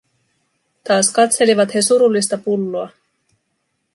Taas katselivat he surullista pulloa.